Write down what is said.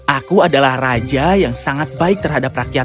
aku adalah raja yang sangat baik terhadap rakyat